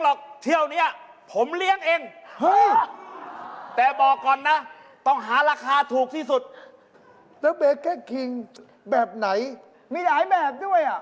แล้วเบอร์เกอร์คิงแบบไหนมีหลายแบบด้วยอ่ะ